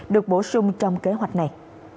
được bổ sung trong kế hoạch này